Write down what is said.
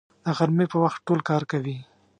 د غرمې په وخت ټول کار کوي